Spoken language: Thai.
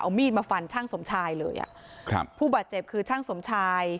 เอามีดมาฟันช่างสมชายเลยอ่ะครับผู้บาดเจ็บคือช่างสมชาย